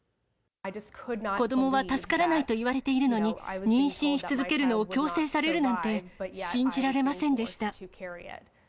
子どもは助からないと言われているのに、妊娠し続けるのを強制されるなんて、信じられません